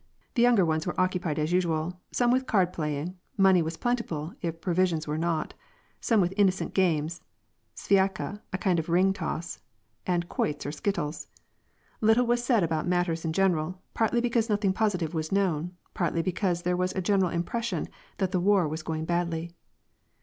The younger ones were occupied as usiud, some with card playing (money was plentiful if provisions were not), some with innocent games, — svaika, a kind of ring toss, and quoits or skittles. Little was said about matters in general, partly because nothing positive was known, partly be cause there was a general impression that the war was going badly.